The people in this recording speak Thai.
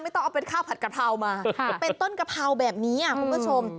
ต้องเอาเป็นข้าวผัดกะเพรามาเป็นต้นกะเพราแบบนี้คุณผู้ชม